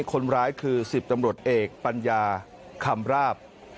คนร้ายคือ๑๐ตำรวจเอกปัญญาคำราบ